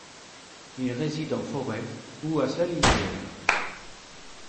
Il réside en forêt ou à sa lisière.